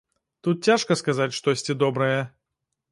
Тут цяжка сказаць штосьці добрае.